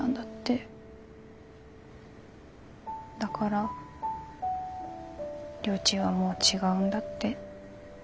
だからりょーちんはもう違うんだって。